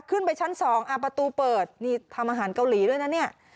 ขึ้นไปชั้น๒ประตูเปิดนี่ทำอาหารเกาหลีด้วยนะเนี่ย